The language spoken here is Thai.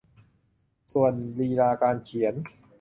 ส่วนลีลาการเขียน